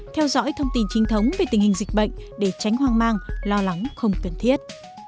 theo dõi thông tin chính thống về tình hình dịch bệnh để tránh hoang mang lo lắng không cần thiết